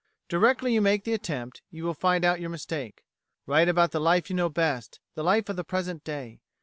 Directly you make the attempt, you will find out your mistake. Write about the life you know best the life of the present day.